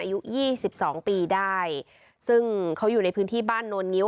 อายุยี่สิบสองปีได้ซึ่งเขาอยู่ในพื้นที่บ้านโนลงิ้